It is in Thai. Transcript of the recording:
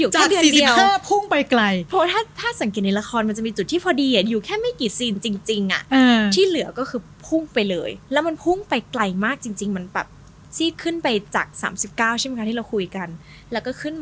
จาก๔๕ฟุ่งไปไกล